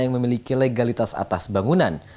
yang memiliki legalitas atas bangunan